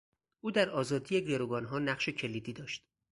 او در آزادی گروگانها نقش کلیدی داشت.